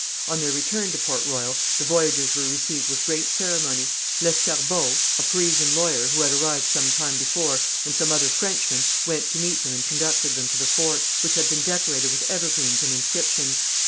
On their return to Port Royal, the voyagers were received with great ceremony. Lescarbot, a Parisian lawyer, who had arrived some time before, and some other Frenchmen, went to meet them and conducted them to the fort, which had been decorated with evergreens and inscriptions.